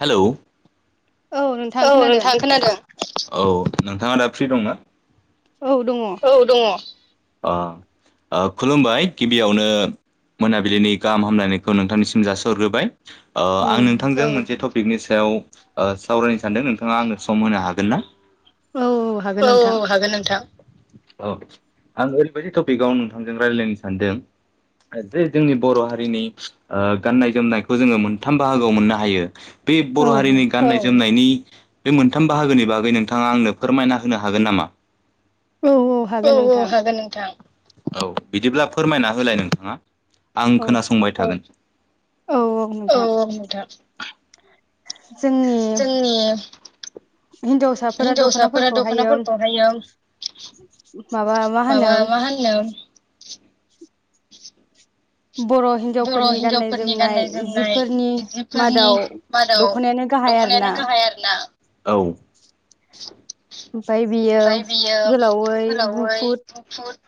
Hello औ नोंथां खोनादों? औ नोंथाङा दा फ्रि दंना? औ दङ। [unintelligible] ओ खुलुमबाय गिबियावनो मोनाबिलिनि गाहाम हामलायनायखौ नोंथांनिसिम जासिहरग्रोबाय ओ आं नोंथांजों मोन जे टपिकनि सायाव ओ सावरायनो सानदों नोंथाङा आनों सम होनो हागोन ना? औ औ हागोन नोंथां ओ आं ओरैबायदि टपिकआव नोंथांजों रायलायनो सानदों जे जोंनि बर' हारिनि ओ गाननाय जोमनायखौ जोङो मोनथाम बाहागोआव मोननो हायो बे बर' हारिनि गाननाय जोमनायनि बे मोनथाम बाहागोनि बागै नोंथाङा आंनो फोरमायना होनो हागोन नामा? औ औ हागोन नोंथां औ बिदिब्ला फोरमायना होलाय नोंथाङा आं खोनासंबाय थागोन औ औ नोंथां जोंनि हिनजावसाफोरा दख'नाफोरखौहायो माबा मा होन होनोम [inaudible] बर' हिनजावफोरनि गाननाय जोमनाय जिफोरनि मादाव दख'नायानो [unintelligible] औ फाय बियो गोलावै गुफुद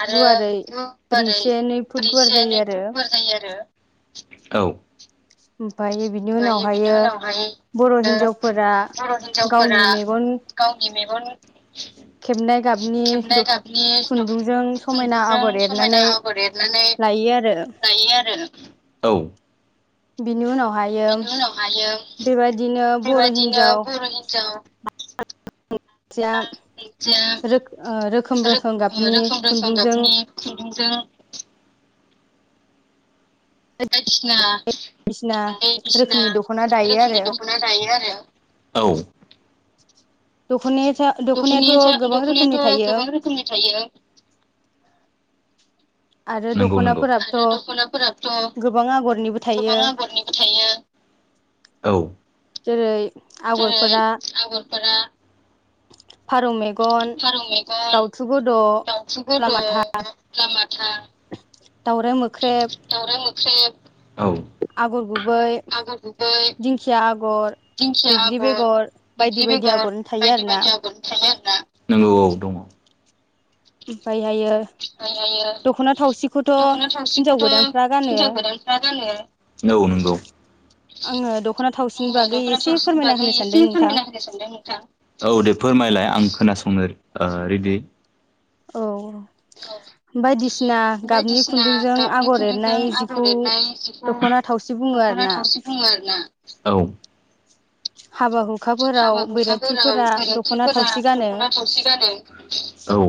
आरो [unintelligible] [unintelligible] औ [unintelligible] ओ बर' हिन्जावफोरा गावनि मेगन खेबनाय गाबनि द खुन्दुंजों समायना आगर एरनानै लायो आरो [unintelligible] औ बिनि उनावहायो बेबायदिनो बर' हिनजाव बर' हिनजाव निजा निजा रो ओ रोखोम रोखोम गाबनि सुबुंजों बायदिसिना बायदिसिना रोखोमनि दख'ना दायो आरो औ। दख'नियाथ' दख'नियाथ' गोबां रोखोमनि थायो नोंगौ नोंगौ, आरो दख'नाफोराथ' गोबां आगरनिबो थायो। औ। जेरै आगरफोरा [unintelligible] फारौ मेगन, दाउथु गद', लामाथा दाउराइ मोख्रेब, दाउराइ मोख्रेब, औ। आगर गुबै, दिंखिया आगर, दिंखिया आगर, बैग्रि बेगर बायदि बायदि आगरफोर थायो आरोना। नोंगौ औ दङ। ओमफायहायो ओमफ्रायहायो दख'ना थावसिखौथ' हिनजाव गोदान दखना गानो, औ नंगौ। आङो दख'ना थावसिनि बागै एसे फोरमायना होनो सानदों नोंथां। [unintelligible] औ दे फोरमायलाय आं खोनासंनो ओ रेडि। औ। औ बायदिसिना गाबनि खुन्दुंजों आगर एरनाय जिखौ दख'ना थाउसि बुङो आरो ना औ। हाबा हु हाबा हुखाफोराव बैराथिफोरा दख'ना थावसि गानो। औ।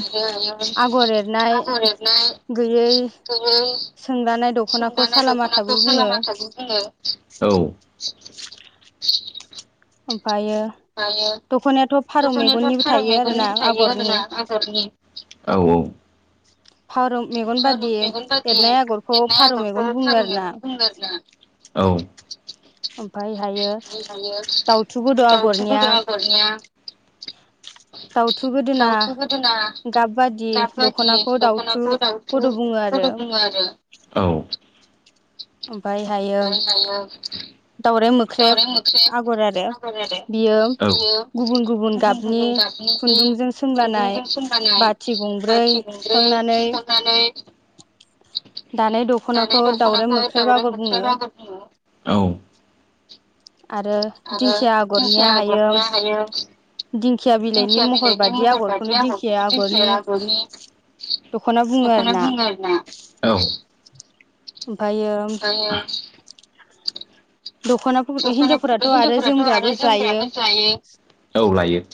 आरो [unintelligible] आगर एरनाय खौबो [unintelligible] दख'नाखौ साला माथाबो बुङो। औ। ओमफायो फायो दखनायाथ' दख'नायाथ' फारौ मेगननिबो थायो आरोना आगरनि, औ औ। फारौ मेगन बादि एरनाय आगरखौ फारौ मेगन बुङो आरो ना। औ। ओमफायो दावथु गोदो आगरनिया दाउथु गोदोना गाब बादि दख'ना खोनो दाउथु गोदो बुङो आरो। औ। ओमफायहायो हायो दाउराइ मोख्रेब आगर आरो बियो गुबुन गुबुन गाबनि खुन्दुंजों सोंलानाय बाथि गंब्रै थुखांनानै नानै दानाय दख'नाखौहाय दाउराइ मोख्रेब आगर औ। आरो दिंखिया आगरनिया हायो दिंखिया बिलाइनि महर बादि आगरखौनो दिंखिया आगरनि दख'ना बुङो आरो ना। ओमफायो [unintelligible] दख'ना दख'नाफोर हिन्जावफोराथ' आरो जोमग्राबो लायो। औ लायो।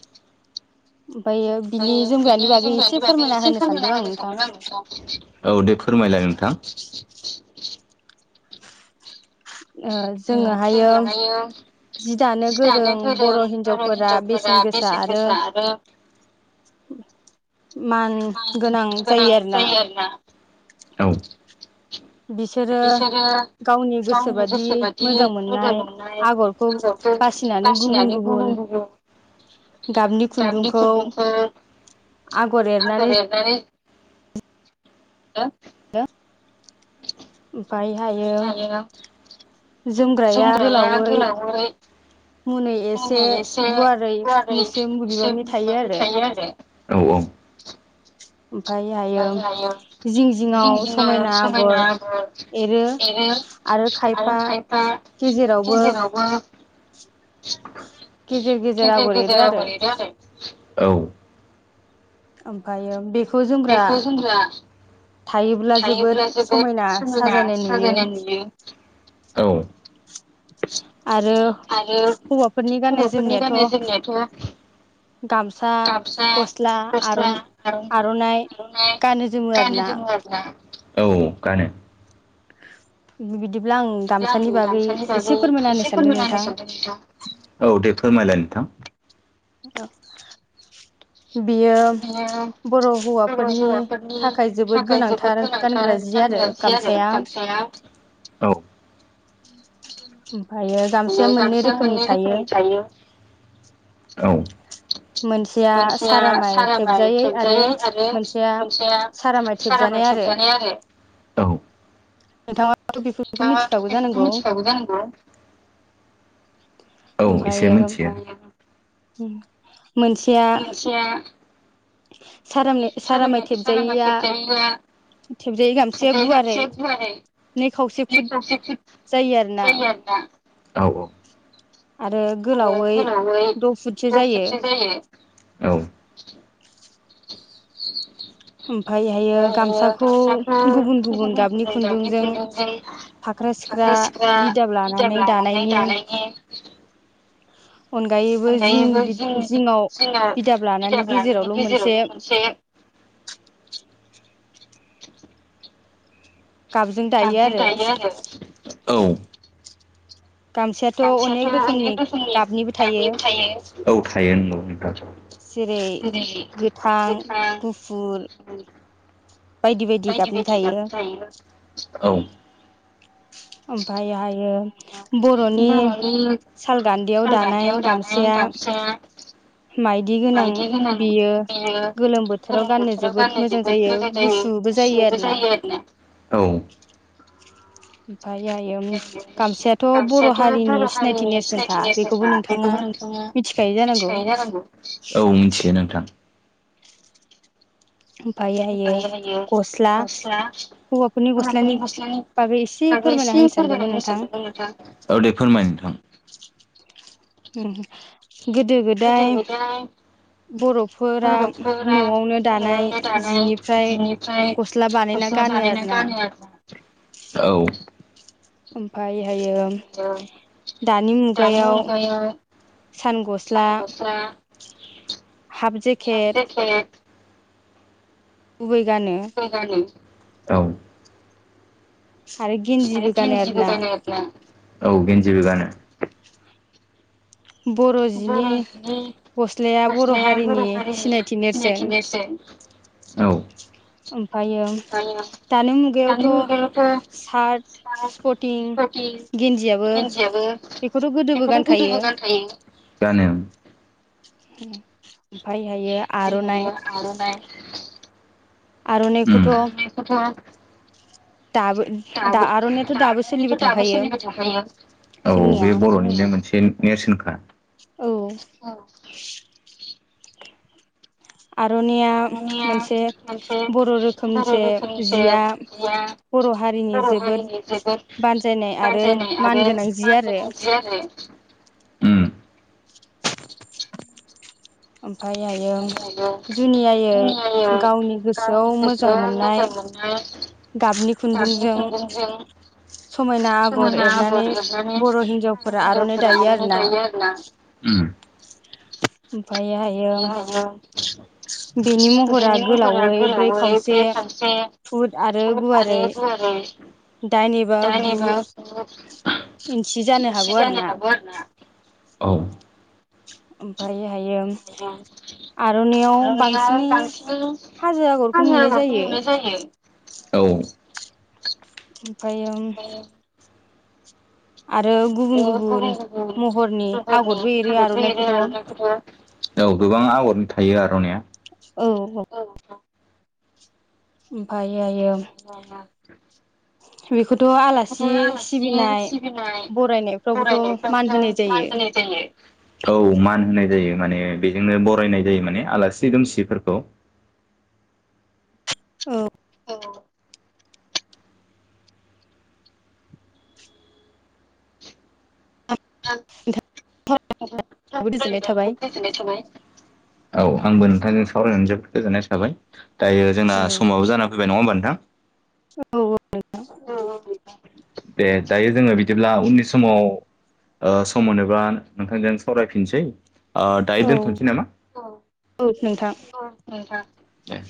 ओ बिदिनो जोमग्रानि बागै ऐसे फोरमायना होनो सानदों आरो नोंथां। औ दे फोरमायला नोंथां। ओ जोंओहायो जि दानो गोरों बर' हिन्जावफोर, दा बेसे गोस आरो मान गोनां जायो आरोना। औ। बिसोरो गावनि गोसोबादि मोजां मोननाय आगरखौ बासिनानै गुबुन गुबुन गाबनि खुन्दुंफोर आगर एरनानै ओ [unintelligible] ओमफाय हायो जोमग्राया गोलावै मुनै एसे गुवारै मुसे मु बिबांनि थायो आरो [unintelligible] औ औ। [inaudible] हायो हायो जिं जिङाव समायना आगर एरो आरो खायफा गेजेरावबो गजेर गेजेराव ओरैनो आरो। औ ओमफायो बेफ बेखौ जोमग्रा थायोब्ला जोबोद समायना साजायनाय नुयो। औ आरो हौवाफोरनि गाननाय जोमनायाथ' गामसा गस्ला आर'नाय गानबोदों आरो औ गानो बिदिब्ला आं आं गामसानि बागै एसे फोरमायना होनो सानदों नोंथां। औ दे फोरमायलाय नोंथां। ओ बियो बर' हौवाफोरनि थाखाय जोबोद गोनांथार गानग्रा जि आरो जि आरो गामसाया औ ओमफायो बियो गामसाया मोननै रोखोमनि थायो। औ मोनसेया साराबाय थेबजायै आरो मोनसेया साराबा थेबजानाय आरो नोंथांङा थ' बेफोरखौ‌ मिथि बेखौथ' मिथिखागौ जानांगौ। औ एसे मिन्थियो। मोनसेया [unintelligible] [unintelligible] खेबसे [unintelligible] [unintelligible] जायो आरो ना औ औ आरो गोलावै [unintelligible] [unintelligible] जायो। [inaudible] ओमफायहायो गामसाखौ गुबुन गुबुन गाबनि खुन्दुंजों। फाख्रा सिख्रा बिदाब लानानै दानायनि अनगायैबो जिंङाव बिदाब लानानै गेजेरावल मोनसे साबसिन थायो आरो औ गामसायाथअनेख रोखोमनि गाबनिबो थायो। औ थायो नंगौ नोंथां। जेरै गोथां गुफुर। बायदि बायदि गाबनि ‌थायो [unintelligible] ओमफायहायो बर'नि साल गानदैयाव दानाय गामसाया मायदि‌ होनानै जायो‌ गोलोम बोथोराव गाननाय जायो जायो गुसुबो जायो आरो ना [unintelligible] गामसयाथ' बर' हारिनि सिनायथि नेरसोनखा‌ बेफोरखौ नोंथाङा मिथिखायो जानांगौ [unintelligible] [unintelligible] फास्रा [unintelligible] आरो एसे फोरमायनाय बेसादफोरखौ नोंथां औ दे फोरमाय नोंथां उम गोदो गोदाय बर'फोरा न'आवनो दानाय जिनिफ्राय गस्ला बानायना गानो आरोना औ ओमफायहायो दानि मुगायाव सान गस्ला हाब जेकेद [unintelligible] गुबै गानो गुबै गानो [unintelligible] आरो गेनजिबो गानो आरोना [unintelligible] बर'नि गस्लाया बर' हारिनि सिनायथि नेरसोन औ ओमफायो दानि मुगायावथ' सार्ट स्पटिं गिनजियाबो बेखौथ' गोदोबो गानखायो गानो ओमफायहायो आर'नाइ [unintelligible] आर'नाइखौथ' दाबो दानानैथ' दाबो सोलिबाय थाखायो औ औ बे बर'निनो मोनसे नेरसोनखा औ आर'नाइया मोनसे बर' रोखोमसे जिया बर' हारिनि जोबोद बानजायनाय आरो मानगोनां जि आरो ओमफायहायो [unintelligible] गावनि गोसो मोजां मोननाय गाबनि खुन्दुंजों समायना आगर एरनानै बर' हिनजावफोरा आर'नाइ दायो आरोना ओमफायहाय [unintelligible] [unintelligible] आरो गुवारै दाइन एबा गु [unintelligible] जानो हागौ आरोना औ ओमफायहायो आर'नायइाव बांसिनै हाजो आगरखौ नुनाय जायो औ ओमफाय ओ बे गुबुन गुबुन [unintelligible] आगरबो एरो आर'नाइखौबो औ गोबां आगरनि थायो आर'नाइया औ ओमफायहायो बहाबा बेखौथ' आलासि सिबिनाय बरायनायफ्रावबोथ' जोंथ' मान जायो। औ मान होनाय जायो माने बेजोंनो बरायनाय जायो माने आलासि दुमसिफोरखौ। औ। औ। थां नोंथांजों सावराय [unintelligible] गोजोननाय थाबाय। औ आंबो नोंथांजों सावरायनानै जोबोद गोजोननाय थाबाय दायो जोंना समाबो जाना फैबाय नङा होमबा नोंथां? औ। दे दायो जोङो बिदिब्ला उननि समाव ओ सम मोनोबा नोंथांजों सावरायफिनसै दायो ओ दोनथ'नोसै नामा? औ नोंथां। अ नोंथां, दे।